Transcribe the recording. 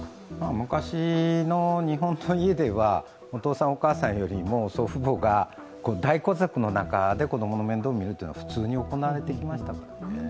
昔の日本の家では、お父さん、お母さんよりも祖父母が大家族の中で子供の面倒を見ることが普通に行われていましたからね。